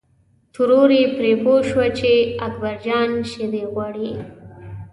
ترور یې پرې پوه شوه چې اکبر جان شیدې غواړي.